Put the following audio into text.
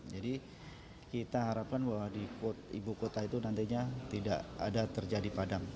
jadi kita harapkan bahwa di ibu kota itu nantinya tidak ada terjadi padam